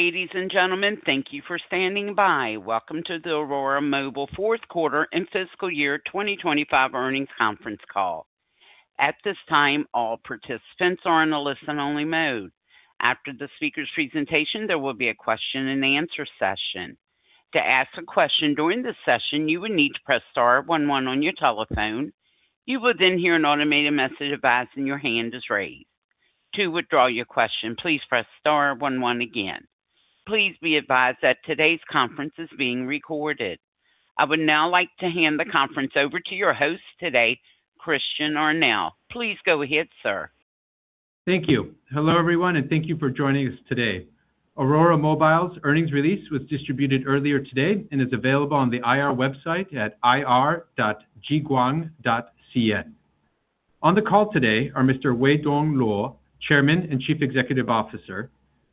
Ladies and gentlemen, thank you for standing by. Welcome to the Aurora Mobile fourth quarter and fiscal year 2025 earnings conference call. At this time, all participants are in a listen-only mode. After the speaker's presentation, there will be a question-and-answer session. To ask a question during the session, you will need to press star one one on your telephone. You will then hear an automated message advising your hand is raised. To withdraw your question, please press star one one again. Please be advised that today's conference is being recorded. I would now like to hand the conference over to your host today, Christian Arnell. Please go ahead, sir. Thank you. Hello, everyone, and thank you for joining us today. Aurora Mobile's earnings release was distributed earlier today and is available on the IR website at ir.jiguang.cn. On the call today are Mr. Weidong Luo, Chairman and Chief Executive Officer,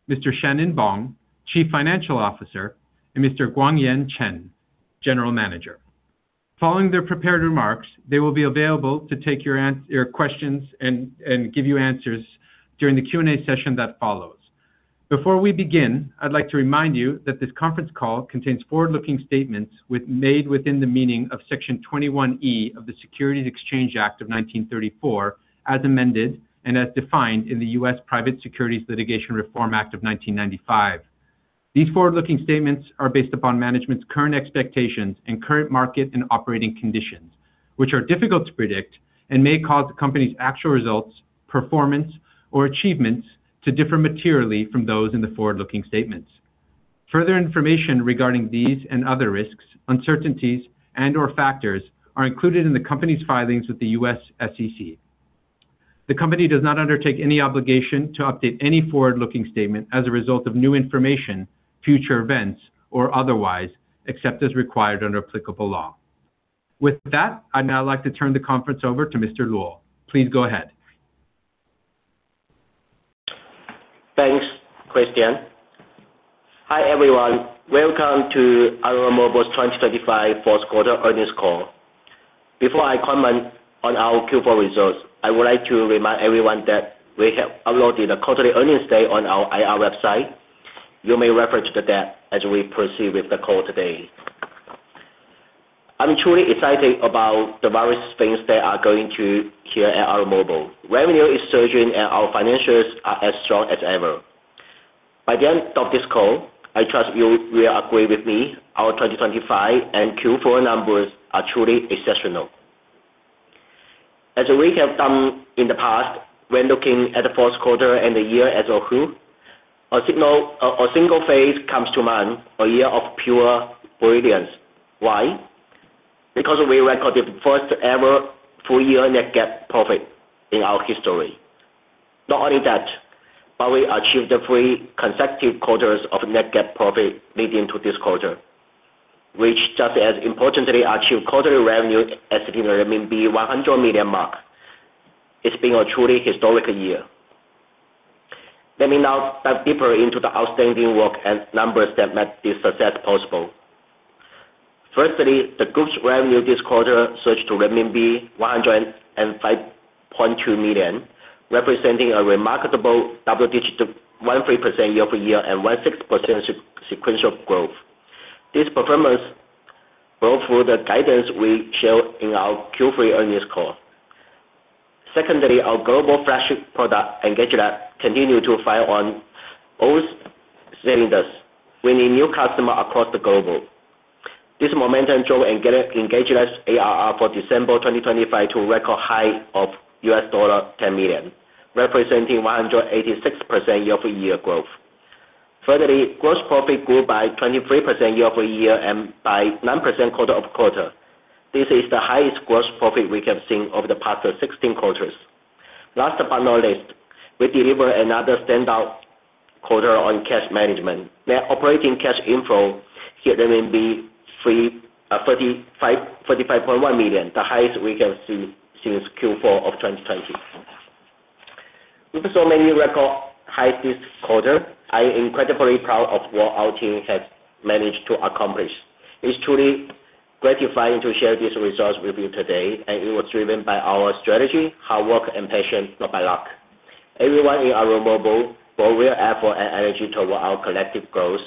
Mr. Shan-Nen Bong, Chief Financial Officer, and Mr. Guangyan Chen, General Manager. Following their prepared remarks, they will be available to take your questions and give you answers during the Q&A session that follows. Before we begin, I'd like to remind you that this conference call contains forward-looking statements made within the meaning of Section 21E of the Securities Exchange Act of 1934, as amended and as defined in the U.S. Private Securities Litigation Reform Act of 1995. These forward-looking statements are based upon management's current expectations and current market and operating conditions, which are difficult to predict and may cause the company's actual results, performance, or achievements to differ materially from those in the forward-looking statements. Further information regarding these and other risks, uncertainties, and/or factors are included in the company's filings with the U.S. SEC. The company does not undertake any obligation to update any forward-looking statement as a result of new information, future events, or otherwise, except as required under applicable law. With that, I'd now like to turn the call over to Mr. Luo. Please go ahead. Thanks, Christian. Hi, everyone. Welcome to Aurora Mobile's 2025 fourth quarter earnings call. Before I comment on our Q4 results, I would like to remind everyone that we have uploaded a quarterly earnings deck on our IR website. You may refer to that as we proceed with the call today. I'm truly excited about the various things that are going on here at Aurora Mobile. Revenue is surging, and our financials are as strong as ever. By the end of this call, I trust you will agree with me our 2025 and Q4 numbers are truly exceptional. As we have done in the past, when looking at the fourth quarter and the year as a whole, a single phrase comes to mind, a year of pure brilliance. Why? Because we recorded the first-ever full year net GAAP profit in our history. Not only that, but we achieved three consecutive quarters of net GAAP profit leading to this quarter. Which, just as importantly, achieved quarterly revenue exceeding the 100 million mark. It's been a truly historic year. Let me now dive deeper into the outstanding work and numbers that made this success possible. Firstly, the group's revenue this quarter surged to RMB 105.2 million, representing a remarkable double-digit 13% year-over-year and 16% sequential growth. This performance built through the guidance we showed in our Q3 earnings call. Secondly, our global flagship product, EngageLab, continued to fire on all cylinders, winning new customer across the globe. This momentum drove EngageLab's ARR for December 2025 to a record high of $10 million, representing 186% year-over-year growth. Furthermore, gross profit grew by 23% year-over-year and by 9% quarter-over-quarter. This is the highest gross profit we have seen over the past 16 quarters. Last but not least, we delivered another standout quarter on cash management. Net operating cash inflow hit RMB 35.1 million, the highest we have seen since Q4 of 2020. With so many record highs this quarter, I am incredibly proud of what our team has managed to accomplish. It's truly gratifying to share these results with you today, and it was driven by our strategy, hard work, and passion, not by luck. Everyone in Aurora Mobile brought real effort and energy toward our collective goals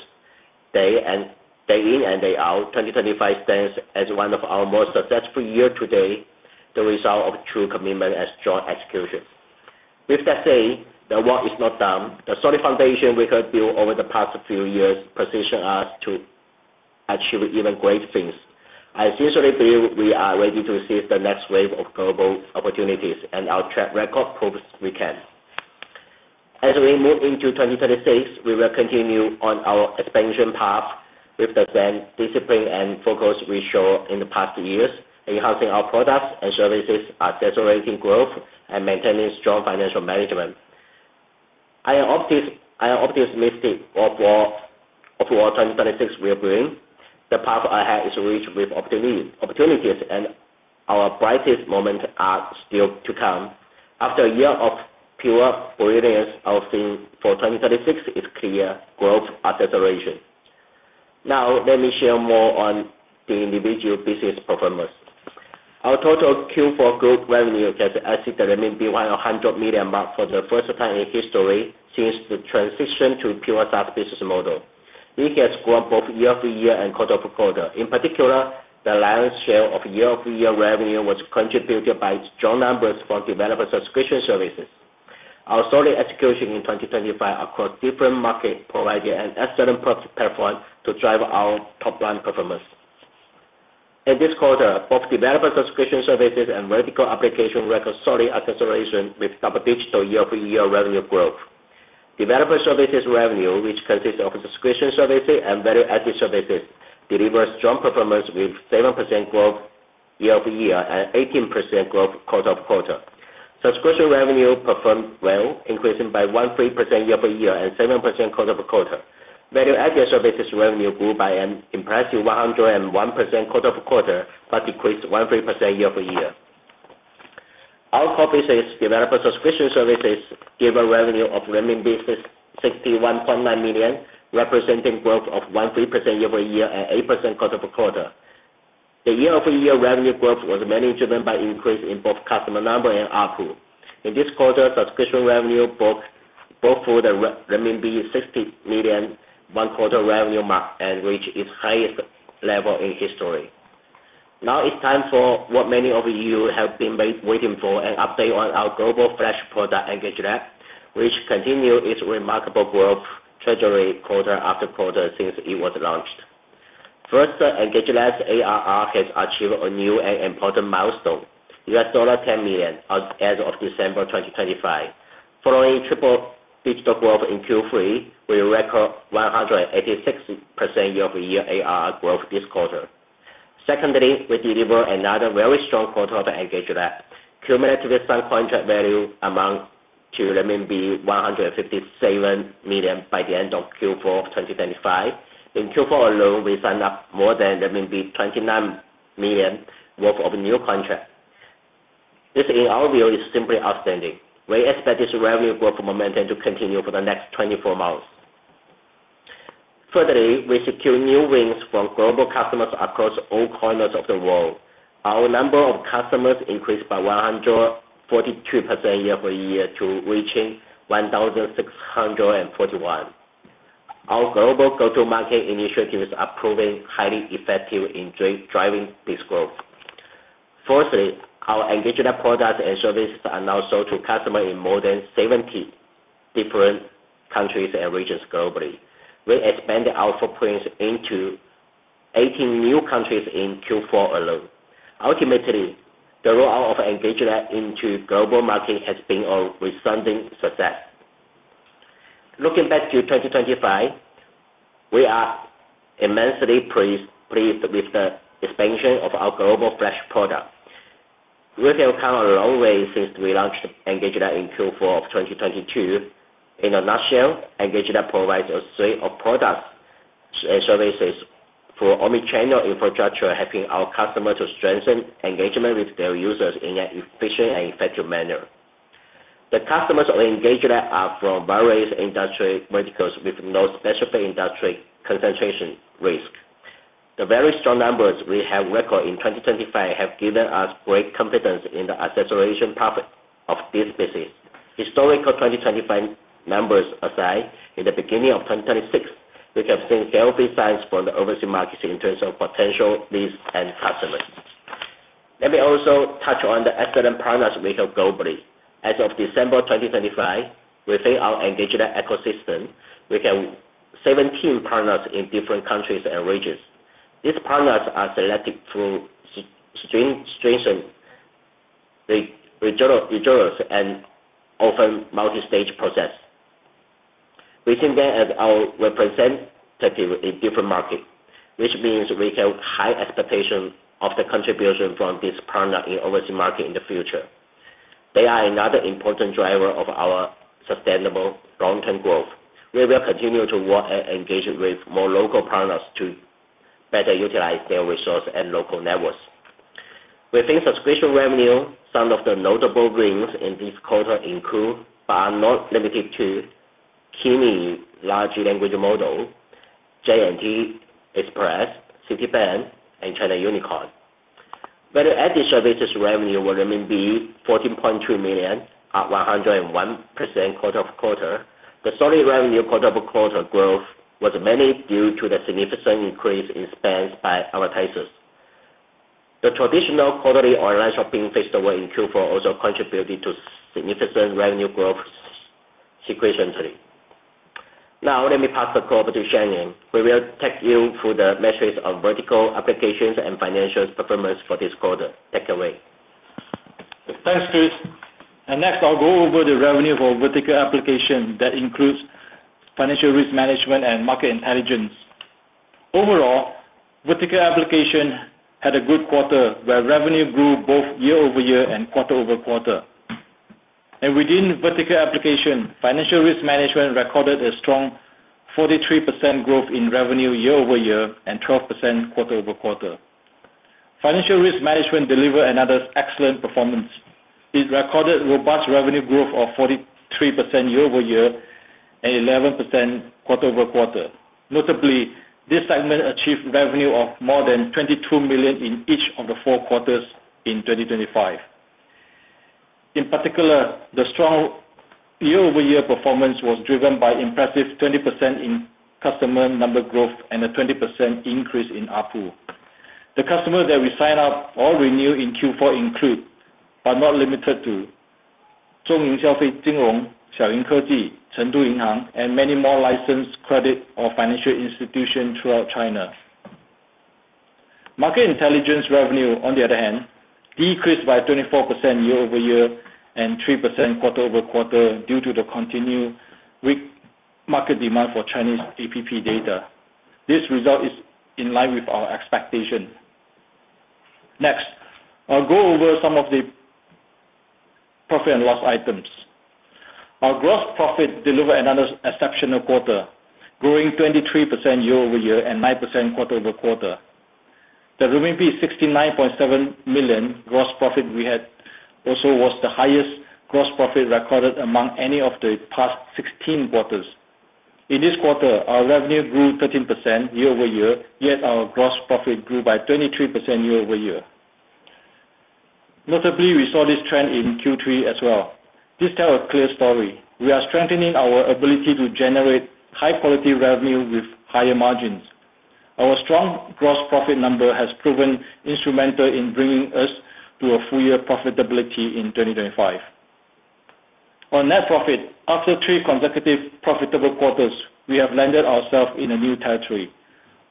day in and day out. 2025 stands as one of our most successful year to date, the result of true commitment and strong execution. With that said, the work is not done. The solid foundation we have built over the past few years position us to achieve even greater things. I sincerely feel we are ready to receive the next wave of global opportunities, and our track record proves we can. As we move into 2026, we will continue on our expansion path with the same discipline and focus we show in the past years, enhancing our products and services, our accelerating growth, and maintaining strong financial management. I am optimistic of what 2026 will bring. The path ahead is rich with opportunities, and our brightest moments are still to come. After a year of pure brilliance, our theme for 2026 is clear growth acceleration. Now let me share more on the individual business performance. Our total Q4 group revenue has exceeded the RMB 100 million mark for the first time in history since the transition to pure SaaS business model. We have grown both year-over-year and quarter-over-quarter. In particular, the lion's share of year-over-year revenue was contributed by strong numbers for developer subscription services. Our solid execution in 2025 across different market provided an excellent platform to drive our top-line performance. In this quarter, both developer subscription services and vertical application record solid acceleration with double-digit year-over-year revenue growth. Developer services revenue, which consists of subscription services and value-added services, deliver strong performance with 7% growth year-over-year and 18% growth quarter-over-quarter. Subscription revenue performed well, increasing by 13% year-over-year and 7% quarter-over-quarter. Value-Added Services revenue grew by an impressive 101% quarter-over-quarter, but decreased 13% year-over-year. Our core business Developer Subscription Services gave a revenue of 61.9 million, representing growth of 13% year-over-year and 8% quarter-over-quarter. The year-over-year revenue growth was mainly driven by increase in both customer number and ARPU. In this quarter, subscription revenue broke through the renminbi 60 million per quarter revenue mark and reached its highest level in history. Now it's time for what many of you have been waiting for, an update on our global flagship product, EngageLab, which continue its remarkable growth trajectory quarter after quarter since it was launched. First, EngageLab's ARR has achieved a new and important milestone, $10 million as of December 2025. Following triple-digit growth in Q3, we record 186% year-over-year ARR growth this quarter. Secondly, we deliver another very strong quarter of EngageLab. Cumulative signed contract value amount to 157 million by the end of Q4 of 2025. In Q4 alone, we signed up more than 29 million worth of new contract. This, in our view, is simply outstanding. We expect this revenue growth momentum to continue for the next 24 months. Thirdly, we secure new wins from global customers across all corners of the world. Our number of customers increased by 142% year-over-year to reaching 1,641. Our global go-to-market initiatives are proving highly effective in driving this growth. Fourthly, our EngageLab products and services are now sold to customer in more than 70 different countries and regions globally. We expanded our footprints into 18 new countries in Q4 alone. Ultimately, the roll-out of EngageLab into global market has been a resounding success. Looking back to 2025, we are immensely pleased with the expansion of our global flagship product. We have come a long way since we launched EngageLab in Q4 of 2022. In a nutshell, EngageLab provides a suite of products and services for omni-channel infrastructure, helping our customers to strengthen engagement with their users in an efficient and effective manner. The customers of EngageLab are from various industry verticals with no specific industry concentration risk. The very strong numbers we have recorded in 2025 have given us great confidence in the acceleration path of this business. Historical 2025 numbers aside, in the beginning of 2026, we have seen healthy signs for the overseas markets in terms of potential leads and customers. Let me also touch on the excellent partners we have globally. As of December 2025, within our EngageLab ecosystem, we count 17 partners in different countries and regions. These partners are selected through stringent rigorous and often multi-stage process. We think that as our representative in different market, which means we have high expectation of the contribution from this partner in overseas market in the future. They are another important driver of our sustainable long-term growth. We will continue to work and engage with more local partners to better utilize their resource and local networks. Within subscription revenue, some of the notable wins in this quarter include, but are not limited to, Kimi Large Language Model, J&T Express, Citibank, and China Unicom. Value-added services revenue were RMB 14.2 million, up 101% quarter-over-quarter. The solid revenue quarter-over-quarter growth was mainly due to the significant increase in spends by advertisers. The traditional quarterly online shopping festival in Q4 also contributed to significant revenue growth sequentially. Now let me pass the call over to Shan-Nen Bong, who will take you through the metrics of vertical applications and financial performance for this quarter. Take it away. Thanks, Chris. Next, I'll go over the revenue for vertical application that includes financial risk management and market intelligence. Overall, vertical application had a good quarter, where revenue grew both year-over-year and quarter-over-quarter. Within vertical application, financial risk management recorded a strong 43% growth in revenue year-over-year and 12% quarter-over-quarter. Financial risk management delivered another excellent performance. It recorded robust revenue growth of 43% year-over-year and 11% quarter-over-quarter. Notably, this segment achieved revenue of more than 22 million in each of the four quarters in 2025. In particular, the strong year-over-year performance was driven by impressive 20% in customer number growth and a 20% increase in ARPU. The customers that we sign up or renew in Q4 include, but not limited to Zhongyin Xiaofei Jinrong, Xiaoying Keji, Chengdu Yinhang, and many more licensed credit or financial institutions throughout China. Market intelligence revenue, on the other hand, decreased by 24% year-over-year and 3% quarter-over-quarter due to the continued weak market demand for Chinese APP data. This result is in line with our expectation. Next, I'll go over some of the profit and loss items. Our gross profit delivered another exceptional quarter, growing 23% year-over-year and 9% quarter-over-quarter. The 69.7 million gross profit we had also was the highest gross profit recorded among any of the past 16 quarters. In this quarter, our revenue grew 13% year-over-year, yet our gross profit grew by 23% year-over-year. Notably, we saw this trend in Q3 as well. This tells a clear story. We are strengthening our ability to generate high-quality revenue with higher margins. Our strong gross profit number has proven instrumental in bringing us to a full-year profitability in 2025. On net profit, after three consecutive profitable quarters, we have landed ourselves in a new territory.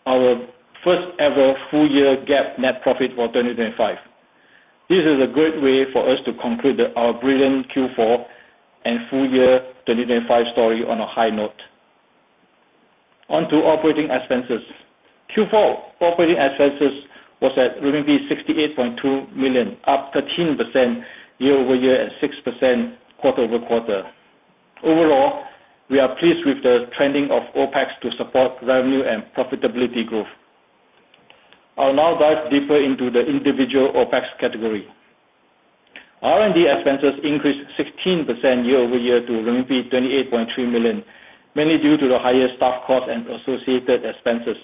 Our first ever full-year GAAP net profit for 2025. This is a great way for us to conclude our brilliant Q4 and full-year 2025 story on a high note. On to operating expenses. Q4 operating expenses was at RMB 68.2 million, up 13% year-over-year and 6% quarter-over-quarter. Overall, we are pleased with the trending of OpEx to support revenue and profitability growth. I'll now dive deeper into the individual OpEx category. R&D expenses increased 16% year-over-year to 28.3 million, mainly due to the higher staff cost and associated expenses.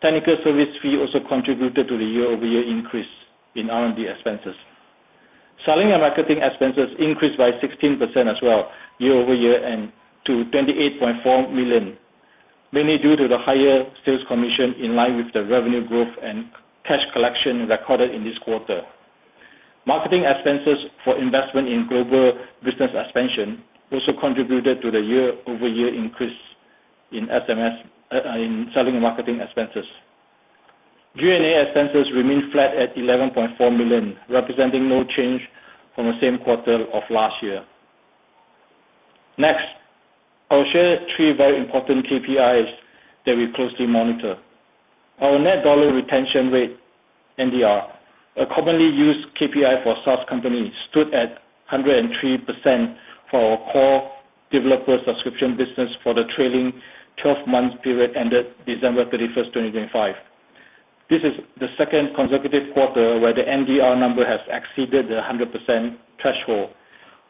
Technical service fee also contributed to the year-over-year increase in R&D expenses. Selling and marketing expenses increased by 16% as well year-over-year and to 28.4 million, mainly due to the higher sales commission in line with the revenue growth and cash collection recorded in this quarter. Marketing expenses for investment in global business expansion also contributed to the year-over-year increase in selling and marketing expenses. G&A expenses remained flat at 11.4 million, representing no change from the same quarter of last year. Next, I'll share three very important KPIs that we closely monitor. Our net dollar retention rate, NDR, a commonly used KPI for SaaS company, stood at 103% for our core Developer Subscription business for the trailing 12 months period ended December 31, 2025. This is the second consecutive quarter where the NDR number has exceeded the 100% threshold.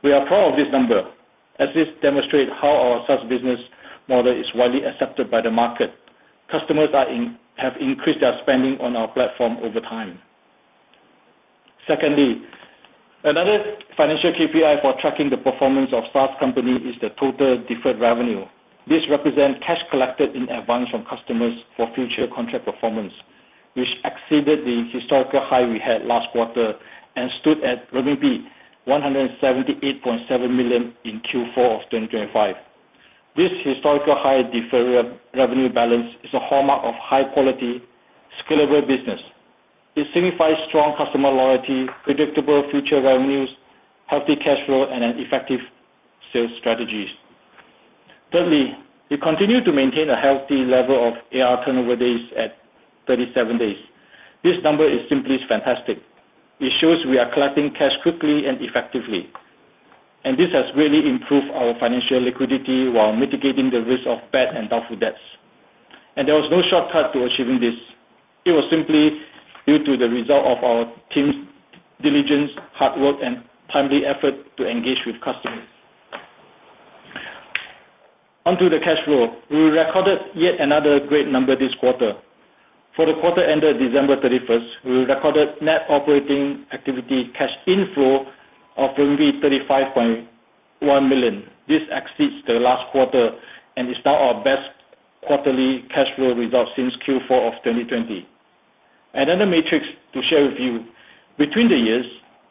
We are proud of this number, as this demonstrates how our SaaS business model is widely accepted by the market. Customers have increased their spending on our platform over time. Secondly, another financial KPI for tracking the performance of SaaS company is the total deferred revenue. This represents cash collected in advance from customers for future contract performance, which exceeded the historical high we had last quarter and stood at 178.7 million in Q4 of 2025. This historical high deferral revenue balance is a hallmark of high-quality, scalable business. It signifies strong customer loyalty, predictable future revenues, healthy cash flow, and an effective sales strategies. Thirdly, we continue to maintain a healthy level of AR turnover days at 37 days. This number is simply fantastic. It shows we are collecting cash quickly and effectively, and this has really improved our financial liquidity while mitigating the risk of bad and doubtful debts. There was no shortcut to achieving this. It was simply due to the result of our team's diligence, hard work, and timely effort to engage with customers. On to the cash flow. We recorded yet another great number this quarter. For the quarter ended December 31st, we recorded net operating activity cash inflow of 35.1 million. This exceeds the last quarter and is now our best quarterly cash flow result since Q4 of 2020. Another metric to share with you, year-over-year,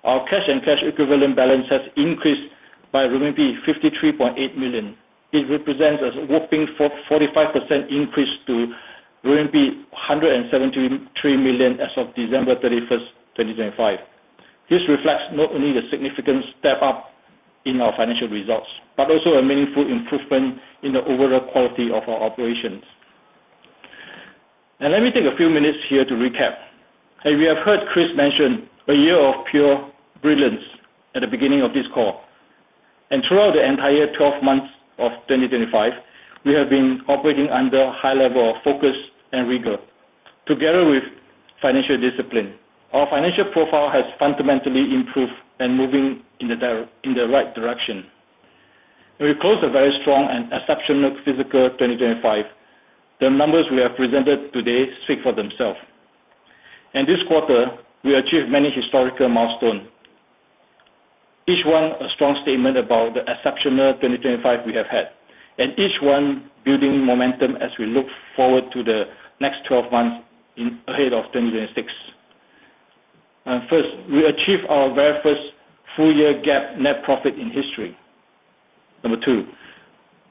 our cash and cash equivalent balance has increased by RMB 53.8 million. It represents a whopping 45% increase to RMB 173 million as of December 31st, 2025. This reflects not only the significant step up in our financial results, but also a meaningful improvement in the overall quality of our operations. Now, let me take a few minutes here to recap. As we have heard Chris mention, a year of pure brilliance at the beginning of this call. Throughout the entire 12 months of 2025, we have been operating under a high level of focus and rigor. Together with financial discipline, our financial profile has fundamentally improved and moving in the right direction. We closed a very strong and exceptional fiscal 2025. The numbers we have presented today speak for themselves. In this quarter, we achieved many historical milestones, each one a strong statement about the exceptional 2025 we have had, and each one building momentum as we look forward to the next 12 months ahead of 2026. First, we achieved our very first full year GAAP net profit in history. Number two,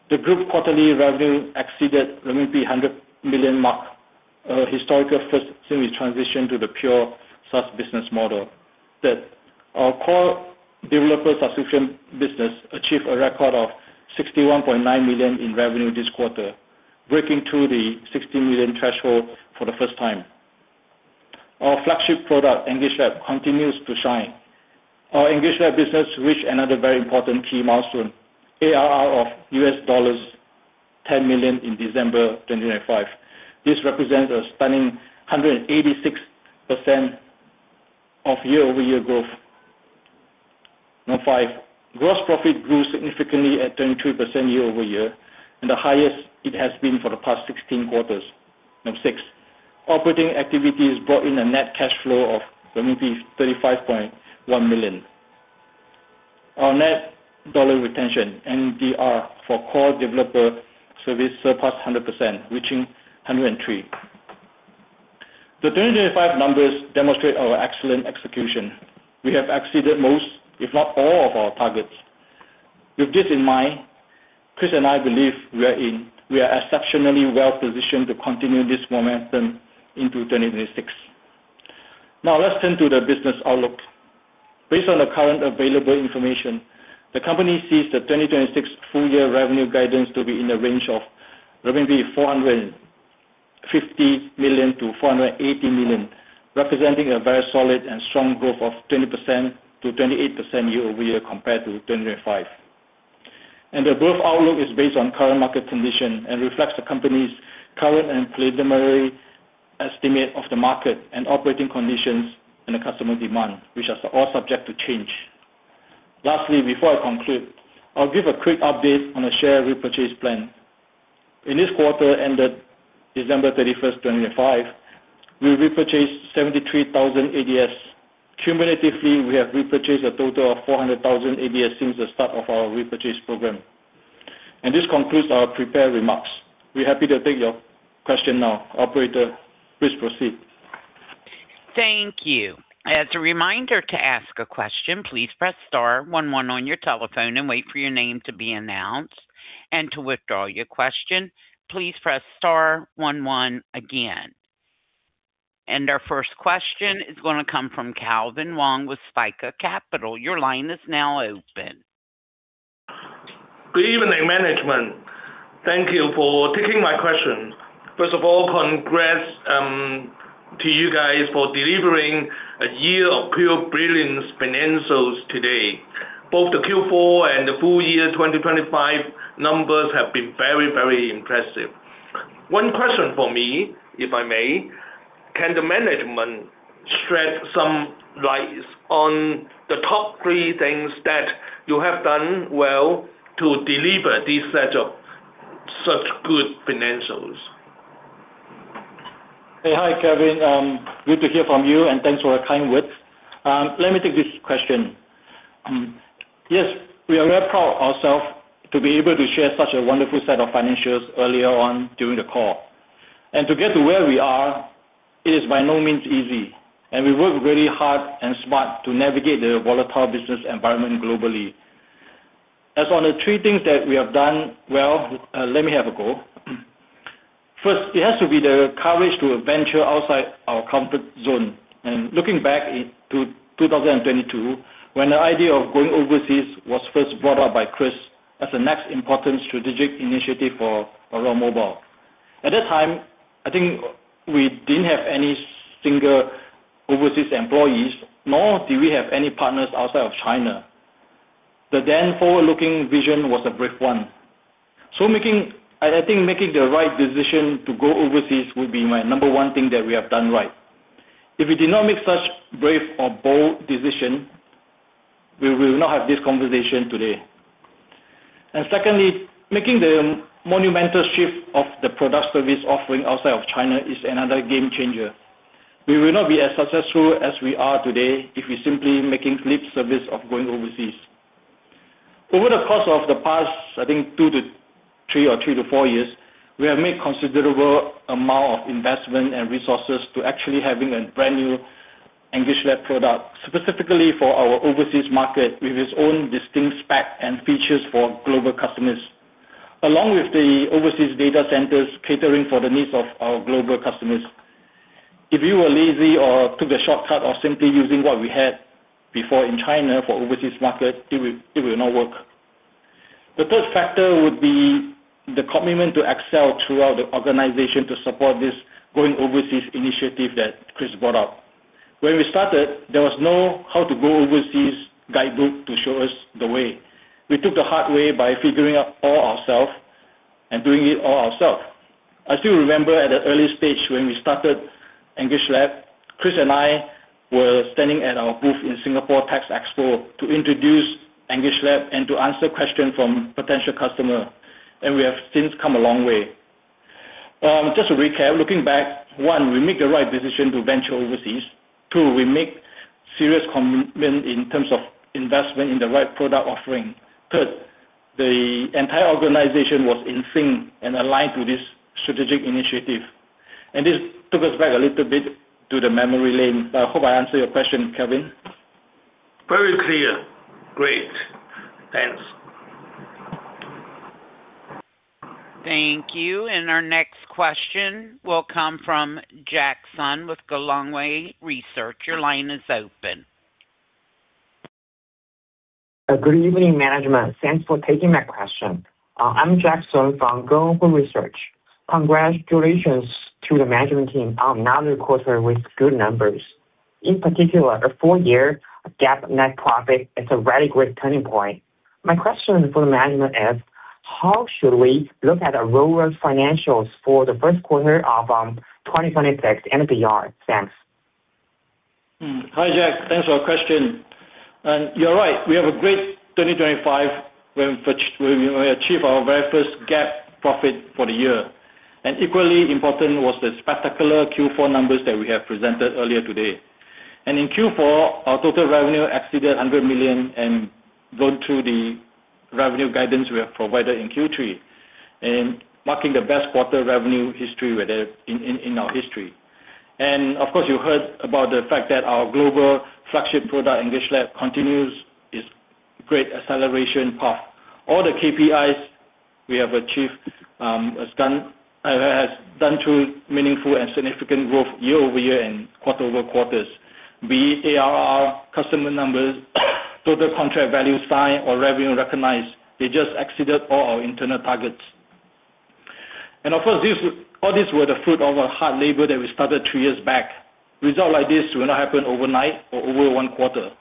the group quarterly revenue exceeded 100 million mark, a historical first since we transitioned to the pure SaaS business model. Third, our core Developer Subscription business achieved a record of 61.9 million in revenue this quarter, breaking through the 60 million threshold for the first time. Our flagship product, EngageLab, continues to shine. Our EngageLab business reached another very important key milestone, ARR of $10 million in December 2025. This represents a stunning 186% year-over-year growth. Number five, gross profit grew significantly at 23% year-over-year, and the highest it has been for the past 16 quarters. Number six, operating activities brought in a net cash flow of 35.1 million. Our net dollar retention, NDR, for core developer service surpassed 100%, reaching 103. The 2025 numbers demonstrate our excellent execution. We have exceeded most, if not all, of our targets. With this in mind, Chris and I believe we are exceptionally well positioned to continue this momentum into 2026. Now, let's turn to the business outlook. Based on the current available information, the company sees the 2026 full year revenue guidance to be in the range of 450 million-480 million, representing a very solid and strong growth of 20%-28% year-over-year compared to 2025. The growth outlook is based on current market condition and reflects the company's current and preliminary estimate of the market and operating conditions and the customer demand, which are all subject to change. Lastly, before I conclude, I'll give a quick update on the share repurchase plan. In this quarter ended December 31st, 2025, we repurchased 73,000 ADS. Cumulatively, we have repurchased a total of 400,000 ADS since the start of our repurchase program. This concludes our prepared remarks. We're happy to take your question now. Operator, please proceed. Thank you. As a reminder to ask a question, please press star one one on your telephone and wait for your name to be announced. To withdraw your question, please press star one one again. Our first question is gonna come from Calvin Wong with Spica Capital. Your line is now open. Good evening, management. Thank you for taking my question. First of all, congrats to you guys for delivering a year of pure brilliance financials today. Both the Q4 and the full year 2025 numbers have been very, very impressive. One question for me, if I may, can the management shed some light on the top three things that you have done well to deliver this set of such good financials? Hi, Calvin. Good to hear from you, and thanks for the kind words. Let me take this question. Yes, we are very proud of ourselves to be able to share such a wonderful set of financials earlier on during the call. To get to where we are, it is by no means easy, and we work very hard and smart to navigate the volatile business environment globally. As for the three things that we have done well, let me have a go. First, it has to be the courage to venture outside our comfort zone. Looking back to 2022, when the idea of going overseas was first brought up by Chris as the next important strategic initiative for Aurora Mobile. At that time, I think we didn't have any single overseas employees, nor did we have any partners outside of China. The then forward-looking vision was a brave one. I think making the right decision to go overseas would be my number one thing that we have done right. If we did not make such brave or bold decision, we will not have this conversation today. Secondly, making the monumental shift of the product service offering outside of China is another game changer. We will not be as successful as we are today if we're simply making lip service of going overseas. Over the course of the past, I think two to three years or three to four years, we have made considerable amount of investment and resources to actually having a brand new EngageLab product specifically for our overseas market with its own distinct spec and features for global customers. Along with the overseas data centers catering for the needs of our global customers. If you were lazy or took a shortcut or simply using what we had before in China for overseas markets, it would not work. The third factor would be the commitment to excel throughout the organization to support this going overseas initiative that Chris brought up. When we started, there was no how to go overseas guidebook to show us the way. We took the hard way by figuring out all ourselves and doing it all ourselves. I still remember at the early stage when we started EngageLab, Chris and I were standing at our booth in Tech Week Singapore to introduce EngageLab and to answer questions from potential customer, and we have since come a long way. Just to recap, looking back, one, we make the right decision to venture overseas. Two, we make serious commitment in terms of investment in the right product offering. Third, the entire organization was in sync and aligned to this strategic initiative. This took us back a little bit to the memory lane. I hope I answered your question, Calvin. Very clear. Great. Thanks. Thank you. Our next question will come from Jack Sun with Gelonghui Research. Your line is open. Good evening, management. Thanks for taking my question. I'm Jack Sun from Gelonghui Research. Congratulations to the management team on another quarter with good numbers. In particular, a full year of GAAP net profit is a very great turning point. My question for the management is, how should we look at our run-rate financials for the first quarter of 2026 and beyond? Thanks. Hi, Jack. Thanks for your question. You're right, we have a great 2025 when we achieve our very first GAAP profit for the year. Equally important was the spectacular Q4 numbers that we have presented earlier today. In Q4, our total revenue exceeded 100 million and gone through the revenue guidance we have provided in Q3, marking the best quarter revenue in our history. Of course, you heard about the fact that our global flagship product, EngageLab, continues its great acceleration path. All the KPIs we have achieved have shown through meaningful and significant growth year-over-year and quarter-over-quarter. Be it ARR, customer numbers, total contract value signed or revenue recognized, they just exceeded all our internal targets. Of course, this all these were the fruit of our hard labor that we started three years back. Results like this will not happen overnight or over one quarter.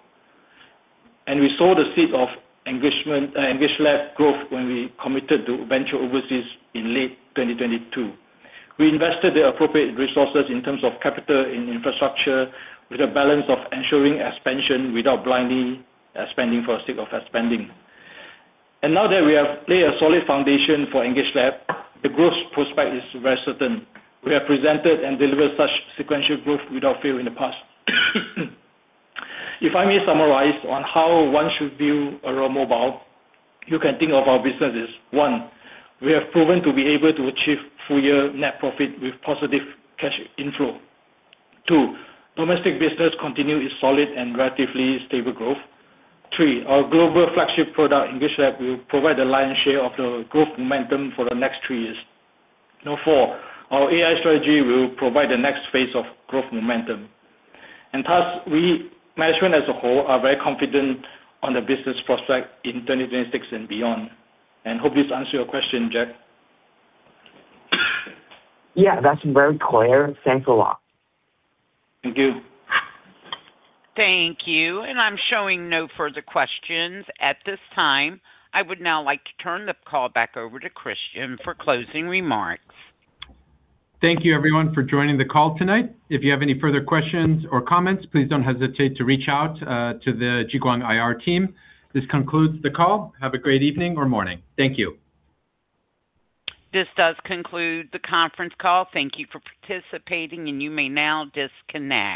We saw the seed of EngageLab growth when we committed to venture overseas in late 2022. We invested the appropriate resources in terms of capital in infrastructure with a balance of ensuring expansion without blindly spending for sake of spending. Now that we have lay a solid foundation for EngageLab, the growth prospect is very certain. We have presented and delivered such sequential growth without fail in the past. If I may summarize on how one should view Aurora Mobile, you can think of our business as, one, we have proven to be able to achieve full year net profit with positive cash inflow. Two, domestic business continue its solid and relatively stable growth. Three, our global flagship product, EngageLab, will provide the lion's share of the growth momentum for the next three years. Now, four, our AI strategy will provide the next phase of growth momentum. Thus, we, management as a whole, are very confident on the business prospect in 2026 and beyond. Hope this answer your question, Jack. Yeah, that's very clear. Thanks a lot. Thank you. Thank you. I'm showing no further questions at this time. I would now like to turn the call back over to Christian for closing remarks. Thank you everyone for joining the call tonight. If you have any further questions or comments, please don't hesitate to reach out to the Jiguang IR team. This concludes the call. Have a great evening or morning. Thank you. This does conclude the conference call. Thank you for participating, and you may now disconnect.